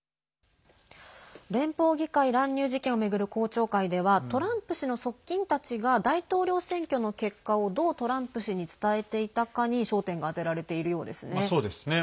連邦議会乱入事件を巡る公聴会ではトランプ氏の側近たちが大統領選挙の結果をどうトランプ氏に伝えていたかに焦点が当てられているようですね。